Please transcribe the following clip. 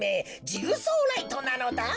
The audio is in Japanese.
ジグソーライトなのだ。